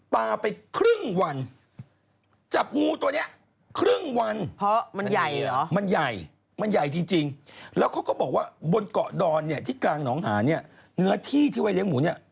แล้วเขาก็บอกว่าบนเกาะดอนที่กลางหนองหาเนื้อที่ที่ไว้เลี้ยงหมูเนี่ย